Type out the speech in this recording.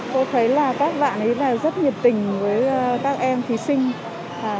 cô thấy là các bạn rất nhiệt tình với các em thí sinh